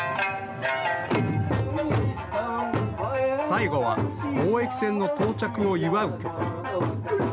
最後は貿易船の到着を祝う曲。